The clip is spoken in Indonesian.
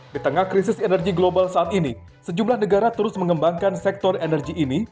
di tengah krisis energi global saat ini sejumlah negara terus mengembangkan sektor energi ini